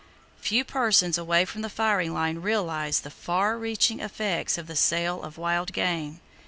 Few persons away from the firing line realize the far reaching effects of the sale of wild game.